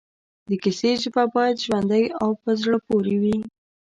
د کیسې ژبه باید ژوندۍ او پر زړه پورې وي